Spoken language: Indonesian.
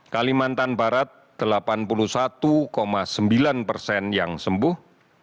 kalimantan barat delapan puluh satu sembilan persen yang sembuh